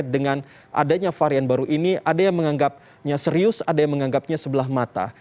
dan ada yang menganggapnya serius ada yang menganggapnya sebelah mata